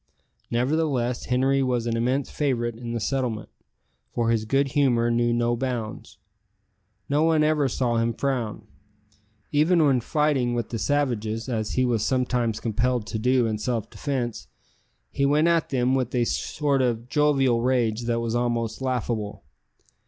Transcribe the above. Nevertheless Henri was an immense favourite in the settlement, for his good humour knew no bounds. No one ever saw him frown. Even when fighting with the savages, as he was sometimes compelled to do in self defence, he went at them with a sort of jovial rage that was almost laughable.